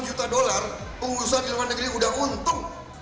delapan juta dolar pengusaha di luar negeri sudah untung